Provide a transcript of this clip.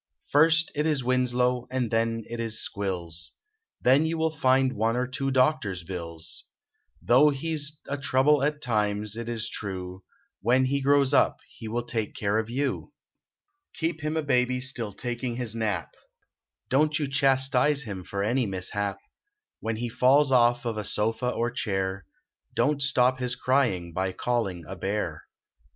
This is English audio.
First it is Winslow and then it is squills, Then you will find one or two doctor s bills, Though he s a trouble at times, it is true, When he grows up he will take care of you. KEK1> ///.I/ ./ r.AllY Keep him a baby still taking his nap. Don t you chastise him for any mishap ; When he falls off of a sofa or chair. Don t stop his crying by calling a bear.